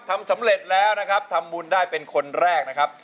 ทำสำเร็จแล้วนะครับทำบุญได้เป็นคนแรกนะครับ